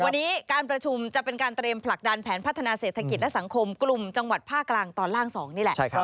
วันนี้การประชุมจะเป็นการเตรียมผลักดันแผนพัฒนาเศรษฐกิจและสังคมกลุ่มจังหวัดภาคกลางตอนล่าง๒นี่แหละ